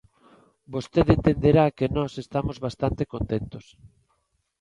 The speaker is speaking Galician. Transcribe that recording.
Vostede entenderá que nós estamos bastante contentos.